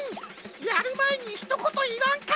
やるまえにひとこといわんか！